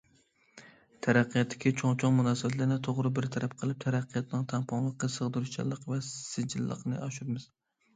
تەرەققىياتتىكى چوڭ- چوڭ مۇناسىۋەتلەرنى توغرا بىر تەرەپ قىلىپ، تەرەققىياتنىڭ تەڭپۇڭلۇقى، سىغدۇرۇشچانلىقى ۋە سىجىللىقىنى ئاشۇرىمىز.